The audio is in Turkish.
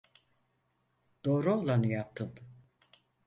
Doğru olanı yaptın.